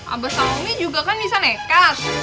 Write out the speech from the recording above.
abah sama umi juga kan bisa nekat